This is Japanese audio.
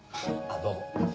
あっどうも。